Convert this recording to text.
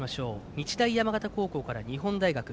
日大山形高校から日本大学。